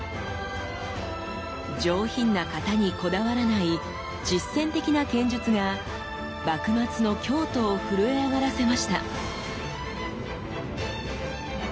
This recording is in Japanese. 上品な形にこだわらない実践的な剣術が幕末の京都を震え上がらせました。